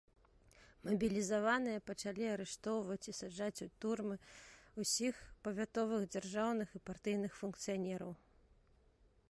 Мабілізаваныя пачалі арыштоўваць і саджаць у турмы усіх павятовых дзяржаўных і партыйных функцыянераў.